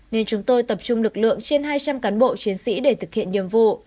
nên chúng tôi tập trung lực lượng trên hai trăm linh cán bộ chiến sĩ để thực hiện nhiệm vụ